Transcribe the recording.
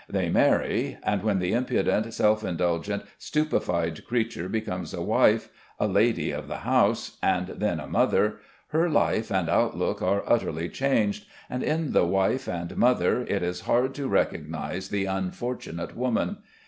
They marry, and when the impudent, self indulgent, stupefied creature becomes a wife, a lady of the house, and then a mother, her life and outlook are utterly changed, and in the wife and mother it is hard to recognise the unfortunate woman.